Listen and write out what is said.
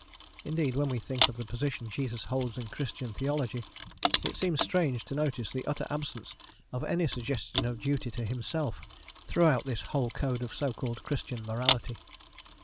Indeed, when we think of the position Jesus holds in Christian theology, it seems strange to notice the utter absence of any suggestion of duty to himself throughout this whole code of so called Christian morality.